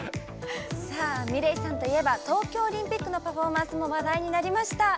ｍｉｌｅｔさんといえば東京オリンピックのパフォーマンスも話題になりました。